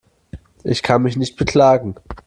Ich kann mich nicht beklagen.